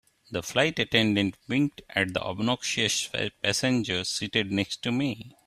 The flight attendant winked at the obnoxious passenger seated next to me.